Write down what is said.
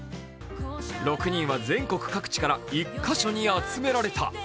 ６人は全国各地から１か所に集められた。